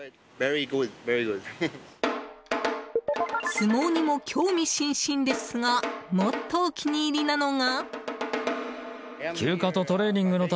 相撲にも興味津々ですがもっとお気に入りなのが。